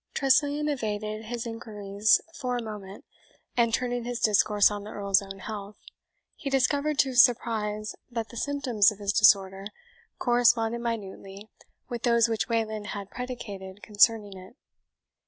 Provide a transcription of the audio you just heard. Tressilian evaded his inquiries for a moment, and turning his discourse on the Earl's own health, he discovered, to his surprise, that the symptoms of his disorder corresponded minutely with those which Wayland had predicated concerning it.